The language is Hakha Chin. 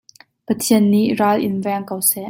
Pathian nih ral in veng ko seh.